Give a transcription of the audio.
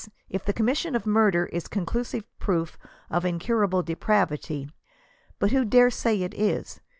— if the commission of murder is conclusive proof of incurahle depravity. But who dare say it is?